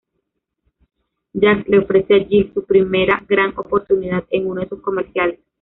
Jack le ofrece a Jill su primera gran oportunidad en uno de sus comerciales.